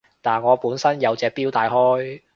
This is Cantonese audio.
但我本身有隻錶戴開